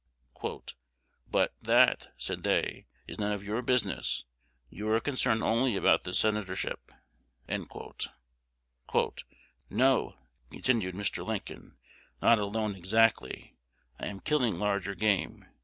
"But that," said they, "is none of your business: you are concerned only about the senator ship." "No," continued Mr. Lincoln, "not alone exactly: I am killing larger game.